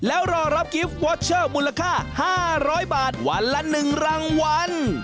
แล้วรอรับกิฟต์วอเชอร์มูลค่า๕๐๐บาทวันละ๑รางวัล